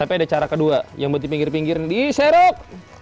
tapi ada cara kedua yang berarti pinggir pinggir diseruk